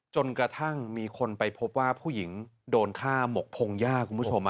จนกระทั่งมีคนไปพบว่าผู้หญิงโดนฆ่าหมกพงหญ้าคุณผู้ชม